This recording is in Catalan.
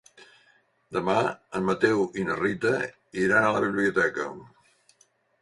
Demà en Mateu i na Rita iran a la biblioteca.